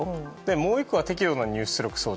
もう１個は適度な入出力装置